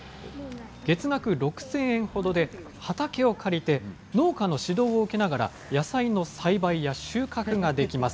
月額６０００円ほどで畑を借りて、農家の指導を受けながら、野菜の栽培や収穫ができます。